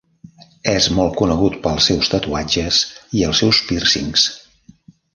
És molt conegut pels seus tatuatges i els seus pírcings.